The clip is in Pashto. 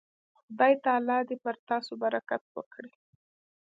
خدای تعالی دې پر تاسو برکت وکړي.